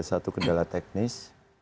satu kendala teknis